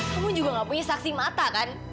kamu juga gak punya saksi mata kan